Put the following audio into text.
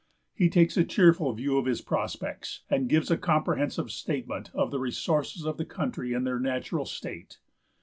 He takes a cheerful view of his prospects, and gives a comprehensive statement of the resources of the country in their natural state.